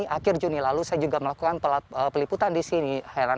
akhir juni lalu saya juga melakukan peliputan di sini heran